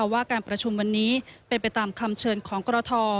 ว่าการประชุมวันนี้เป็นไปตามคำเชิญของกรท